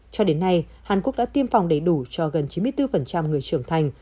cho đến nay hàn quốc đã tiêm phòng đầy đủ cho gần chín mươi bốn người trưởng thành